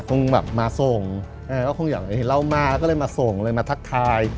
คงแบบมาส่งก็คงอยากเห็นเรามาก็เลยมาส่งเลยมาทักทาย